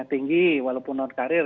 tinggi walaupun non karir